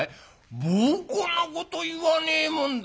「バカなこと言わねえもんだ」。